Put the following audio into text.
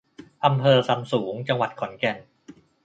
อำเภอซำสูง จังหวัดขอนแก่น